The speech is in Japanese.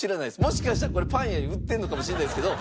もしかしたらこれパン屋に売ってるのかもしれないですけど。